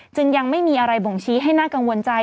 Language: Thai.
จึงยังไม่มีอะไรบ่งชี้ให้น่ากังวลใจ